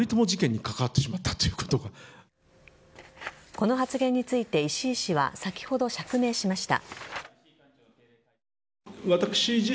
この発言について石井氏は先ほど、釈明しました。